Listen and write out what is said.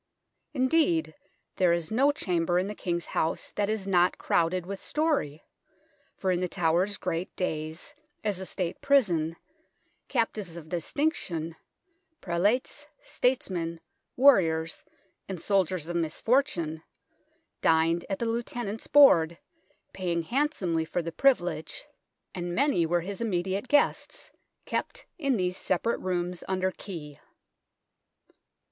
Indeed, there is no chamber in the King's House that is not crowded with story, for in The Tower's great days as a State prison captives of distinction prelates, statesmen, warriors, and soldiers of misfortune dined at the Lieutenant's board, paying handsomely for the privilege, and many were his im THE KING'S HOUSE 123 mediate guests kept in these separate rooms under key.